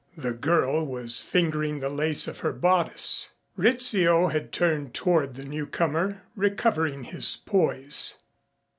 The girl was fingering the lace of her bodice. Rizzio had turned toward the newcomer recovering his poise.